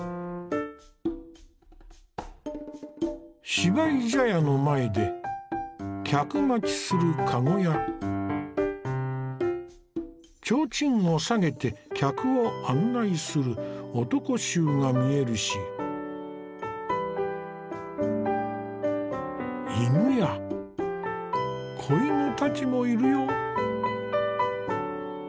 芝居茶屋の前で客待ちする駕籠や提灯を下げて客を案内する男衆が見えるし犬や子犬たちもいるよ。